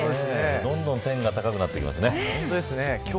どんどん天が高くなっていきますね。